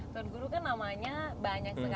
tuan guru kan namanya banyak sekali nih ya